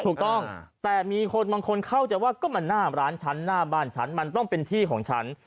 ถูกต้องแต่มีคนบางคนเข้าใจว่าก็มันหน้าร้านฉันหน้าบ้านฉันมันต้องเป็นที่ของฉัน